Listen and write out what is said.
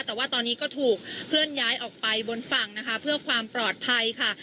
แต่ว่าตอนนี้ก็ถูกเคลื่อนย้ายออกไปบนฝั่งนะคะเพื่อความปลอดภัยค่ะ